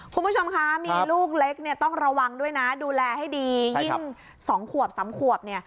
คุณผู้ชมคะมีลูกเล็กเนี่ยต้องระวังด้วยนะดูแลให้ดียิ่ง๒ขวบ๓ขวบเนี่ย